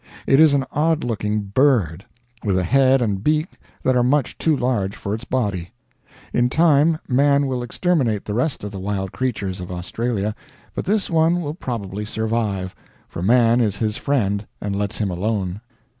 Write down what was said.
It is an odd looking bird, with a head and beak that are much too large for its body. In time man will exterminate the rest of the wild creatures of Australia, but this one will probably survive, for man is his friend and lets him alone.